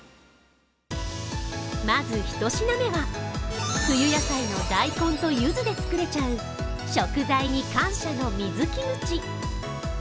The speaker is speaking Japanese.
まず１品目は、冬野菜の大根とゆずで作れちゃう食材に感謝の水キムチ。